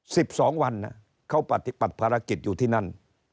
สิบสองวันเขาปรับปรากฏอยู่ที่นั่น